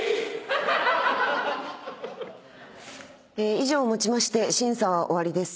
以上をもちまして審査は終わりです。